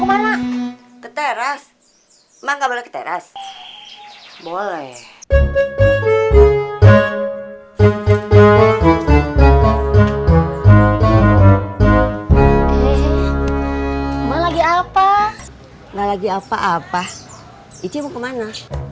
mumpulah lama mau kemana keteras maka boleh keteras boleh lagi apa lagi apa apa kemana